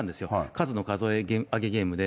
数の数え上げゲームで。